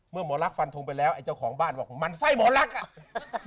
หมอลักษ์ฟันทงไปแล้วไอ้เจ้าของบ้านบอกมันไส้หมอลักษณ์อ่ะ